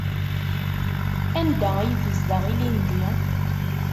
Anda ay tezdeɣ ilindi?